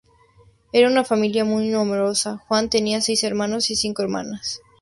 Era una familia muy numerosa: Juan tenía seis hermanos y cinco hermanas.